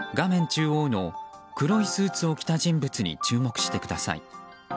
中央の黒いスーツを着た人物に注目してください。